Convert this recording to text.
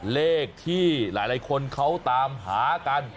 เลขที่หลายคนเขาตามหากัน